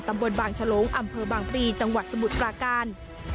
ตำบลบางชะโลงอำเภอบางปรีจังหวัดสมุทรกรากาล